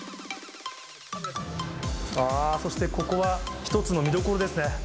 あー、そしてここは一つの見どころですね。